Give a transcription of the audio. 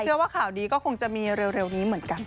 ว่าข่าวดีก็คงจะมีเร็วนี้เหมือนกัน